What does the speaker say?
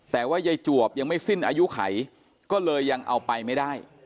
แต่ว่ายายจวบยังไม่สิ้นอายุไขก็เลยยังเอาไปไม่ได้